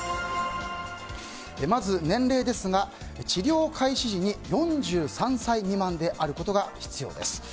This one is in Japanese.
まず、年齢ですが治療開始時に４３歳未満であることが必要です。